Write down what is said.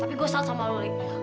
tapi gua salah sama lo lia